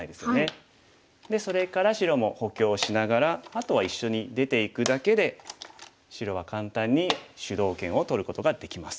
でそれから白も補強しながらあとは一緒に出ていくだけで白は簡単に主導権を取ることができます。